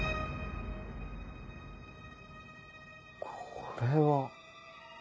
これは。